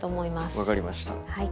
分かりました。